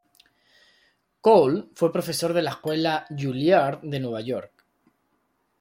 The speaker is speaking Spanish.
Cole fue profesor de la Escuela Juilliard de Nueva York.